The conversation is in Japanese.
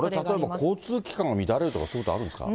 これ例えば、交通機関が乱れるとかそういうことあるんですか。